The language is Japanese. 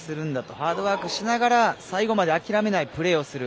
ハードワークしながら最後まで諦めないプレーをする。